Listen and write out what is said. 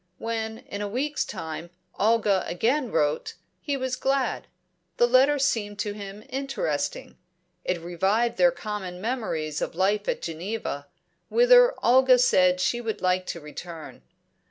When, in a week's time, Olga again wrote, he was glad. The letter seemed to him interesting; it revived their common memories of life at Geneva, whither Olga said she would like to return.